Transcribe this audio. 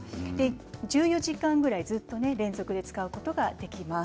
１４時間ぐらいずっと連続で使うことができます。